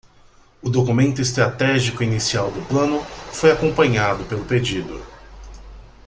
O documento estratégico inicial do plano foi acompanhado pelo pedido.